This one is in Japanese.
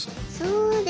そうですね